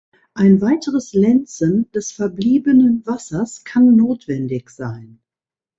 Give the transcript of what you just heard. Ein weiteres Lenzen des verbliebenen Wassers kann notwendig sein.